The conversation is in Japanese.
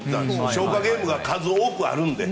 消化ゲームが数多くあるので。